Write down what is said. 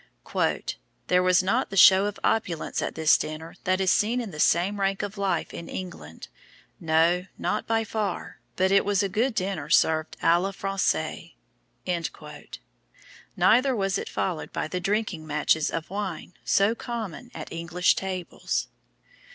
"There was not the show of opulence at this dinner that is seen in the same rank of life in England, no, not by far, but it was a good dinner served à la Française." Neither was it followed by the "drinking matches" of wine, so common at English tables.